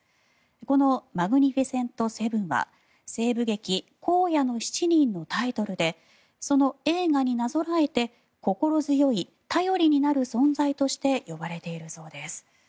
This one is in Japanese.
このマグニフィセント・セブンは西部劇「荒野の七人」のタイトルでその映画になぞらえて心強い、頼りになる存在として呼ばれているそうです。